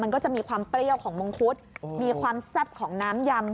มันก็จะมีความเปรี้ยวของมงคุดมีความแซ่บของน้ำยำ